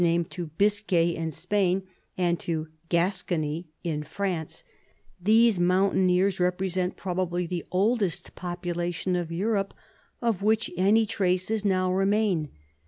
name to Bisca}' in Spain and to Gascony in France, these mountaineers represent probably the oldest population of Europe of which any traces now re main.